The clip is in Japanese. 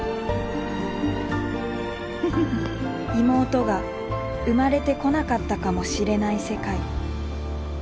妹が生まれてこなかったかもしれない世界。